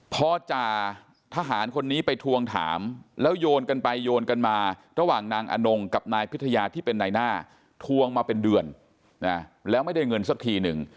พอจ่าทหารคนนี้ไปทวงถามแล้วโยนกันไปโยนกันมาระหว่างนางอนงกับนายพิทยาที่เป็นนายหน้าทวงมาเป็นเดือนนะแล้วไม่ได้เงินสักทีหนึ่ง